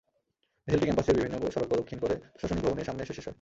মিছিলটি ক্যাম্পাসের বিভিন্ন সড়ক প্রদক্ষিণ করে প্রশাসনিক ভবনের সামনে এসে শেষ হয়।